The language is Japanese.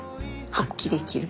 発揮できる？